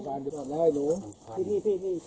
ได้ใครเชื่อกับผู้ช่วย